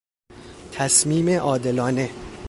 تصمیم عادلانه